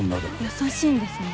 優しいんですね。